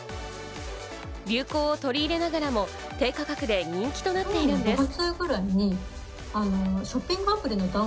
流行を取り入れながらも低価格で人気となっているんです。